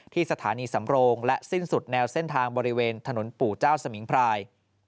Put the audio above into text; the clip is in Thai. ที่สถานีสำโรงและสิ้นสุดแนวเส้นทางบริเวณถนนปู่เจ้าสมิงพราย